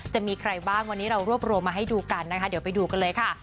จะมีใครบ้างวันนี้เรารวบรวมมาให้ดูกันนะคะเดี๋ยวไปดูกันเลยค่ะ